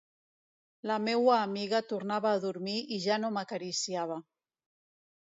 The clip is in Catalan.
La meua amiga tornava a dormir i ja no m'acariciava.